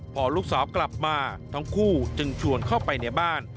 พอลูกสาวกลับมาทั้งคู่จึงชวนเข้าไปในบ้าน